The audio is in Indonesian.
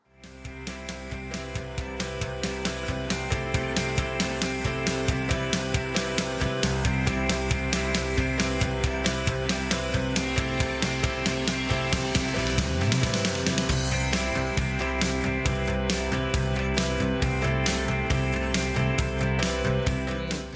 taman batu granit alami alif stone park